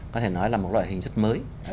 có thể nói là một loại hình rất mới